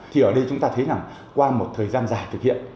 thì ở đây chúng ta thấy rằng qua một thời gian dài thực hiện